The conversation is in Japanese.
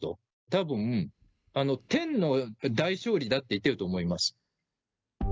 たぶん、天の大勝利だって言ってると思います。